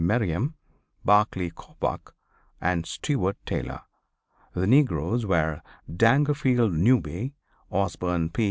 Merriam, Barclay Coppoc and Steward Taylor. The negroes were Dangerfield Newby, Osborne P.